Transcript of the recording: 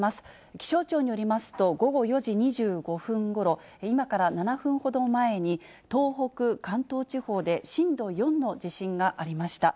気象庁によりますと、午後４時２５分ごろ、今から７分ほど前に、東北、関東地方で震度４の地震がありました。